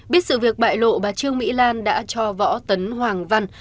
biết sự việc bại lộ bà trương mỹ lan đã cho võ tấn hoàng văn